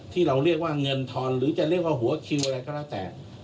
ที่เราเรียกว่าเงินทอนหรือจะเรียกว่าหัวคิวอะไรก็แล้วแต่